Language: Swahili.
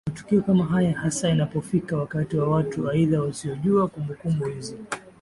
Matukio kama haya hasa inapofika wakati wa watu aidha wasiojua kumbukumbu hizi